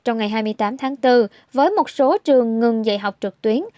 trong ngày hai mươi tám tháng bốn với một số trường ngừng dạy học trực tuyến